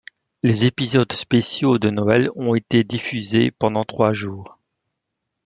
Les épisodes spéciaux de Noël ont été diffusée pendant trois jours.